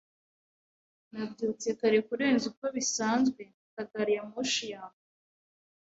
Nabyutse kare kurenza uko bisanzwe mfata gari ya moshi ya mbere. (Eldad)